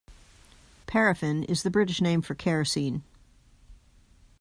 Paraffin is the British name for kerosene